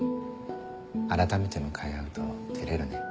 あらためて向かい合うと照れるね。